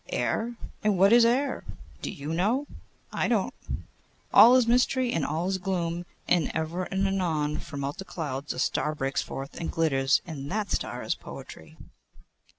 Air. And what is air? Do you know? I don't. All is mystery, and all is gloom, and ever and anon from out the clouds a star breaks forth, and glitters, and that star is Poetry.